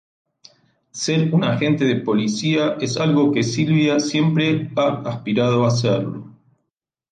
Ser un agente de policía es algo que Sylvia siempre ha aspirado a hacerlo.